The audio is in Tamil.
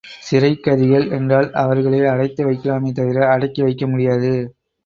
சிறைக் கைதிகள் என்றால் அவர்களை அடைத்து வைக்கலாமே தவிர அடக்கி வைக்க முடியாது.